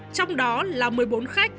trong đó là một mươi bốn khách